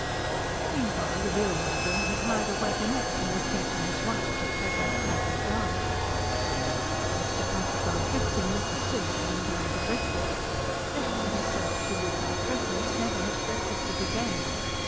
Meanwhile the real murderer had hired a waggonette and was taking his wife for a pleasant country drive. It was to pacify Fritzing that Priscilla came down to breakfast. Left to herself she would by preference never have breakfasted again.